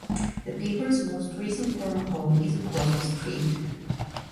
The paper's most recent former home is across the street.